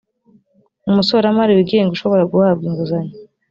umusoramari wigenga ushobora guhabwa inguzanyo